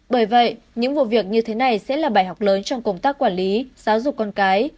bởi vậy những vụ việc như thế này sẽ là bài học lớn trong công tác quản lý giáo dục con cái